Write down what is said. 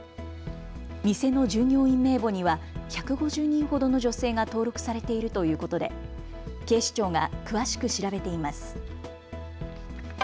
店の従業員名簿には１５０人ほどの女性が登録されているということで警視庁が詳しく調べています。